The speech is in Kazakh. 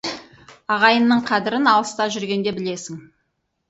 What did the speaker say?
Ағайынның қадірін алыста жүргенде білесің.